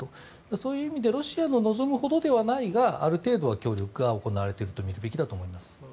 そういう意味でロシアの望むほどではないがある程度は協力が行われているとみるべきだと思います。